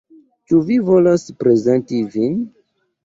Ĉu vi volas prezenti vin